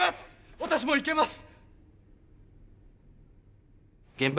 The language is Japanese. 私も行けます！